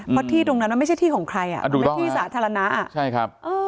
เพราะที่ตรงนั้นมันไม่ใช่ที่ของใครอ่ะไม่ใช่ที่สาธารณะอ่ะ